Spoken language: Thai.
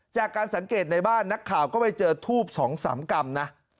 จากการสังเกตในบ้านนักข่าวก็ไปเจอทูบ๒๓กรัมนะ